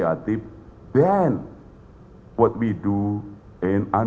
dari apa yang kami lakukan